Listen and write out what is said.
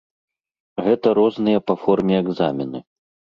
Гэта розныя па форме экзамены.